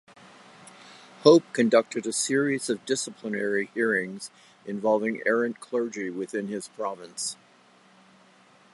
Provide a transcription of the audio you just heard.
Hope conducted a series of disciplinary hearings involving errant clergy within his province.